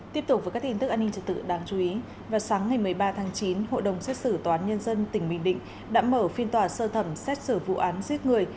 tiếp tục với các tin tức an ninh trật tự đáng chú ý vào sáng ngày một mươi ba tháng chín hội đồng xét xử toán nhân dân tỉnh bình định đã mở phiên tòa sơ thẩm xét xử vụ án giết người